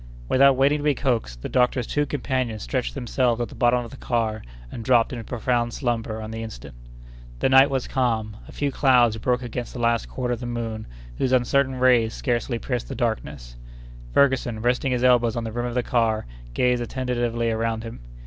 Without waiting to be coaxed, the doctor's two companions stretched themselves at the bottom of the car and dropped into profound slumber on the instant. The night was calm. A few clouds broke against the last quarter of the moon, whose uncertain rays scarcely pierced the darkness. Ferguson, resting his elbows on the rim of the car, gazed attentively around him.